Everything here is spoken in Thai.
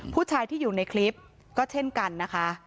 ผู้ชายที่อยู่ในคลิปก็เช่นกันนะคะ